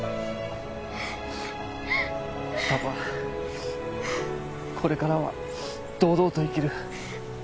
パパこれからは堂々と生きる。